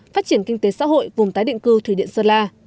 phát triển kinh tế xã hội vùng tái định cư thủy điện sơn la